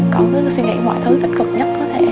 con cứ suy nghĩ mọi thứ tích cực nhất có thể